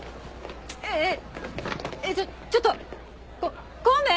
えええっちょちょっとこ孔明！